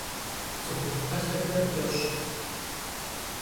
Цӏыхухъу ӏэлъэхэр кӏэщӏт.